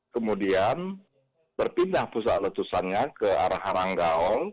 kemudian berpindah pusat letusannya ke arah haranggaol